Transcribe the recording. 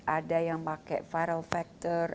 ada yang pakai viral factor